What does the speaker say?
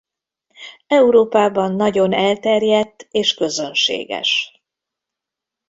Európában nagyon elterjedt és közönséges.